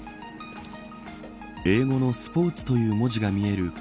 英語のスポーツという文字が見える